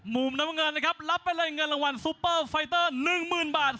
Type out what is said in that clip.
มุมน้ำเงินนะครับรับไปเลยเงินรางวัลซูเปอร์ไฟเตอร์๑๐๐๐บาท